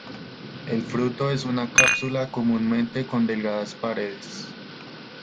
El fruto es una cápsula comúnmente con delgadas paredes.